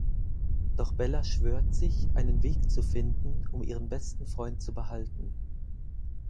Doch Bella schwört sich, einen Weg zu finden, um ihren besten Freund zu behalten.